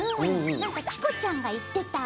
なんかチコちゃんが言ってた。